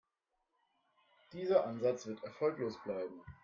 Dieser Ansatz wird erfolglos bleiben.